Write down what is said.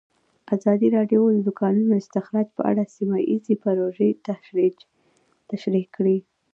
ازادي راډیو د د کانونو استخراج په اړه سیمه ییزې پروژې تشریح کړې.